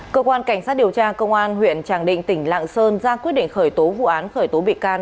cơ quan cảnh sát điều tra công an huyện tràng định tỉnh lạng sơn ra quyết định khởi tố vụ án khởi tố bị can